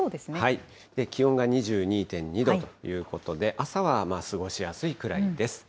気温が２２．２度ということで、朝は過ごしやすいくらいです。